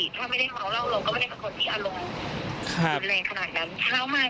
ไม่อยากสนเพราะจริงถ้าเป็นคนปกติถ้าไม่ได้เหมาเล่าเราก็ไม่ได้เป็นคนที่อารมณ์สุดในขณะนั้น